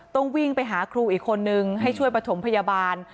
ต้องวิ่งไปหาครูอีกคนนึงให้ช่วยประถมพยาบาล